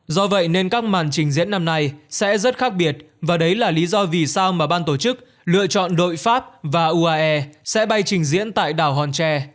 do vậy nên các màn trình diễn năm nay sẽ rất khác biệt và đấy là lý do vì sao mà ban tổ chức lựa chọn đội pháp và uae sẽ bay trình diễn tại đảo hòn tre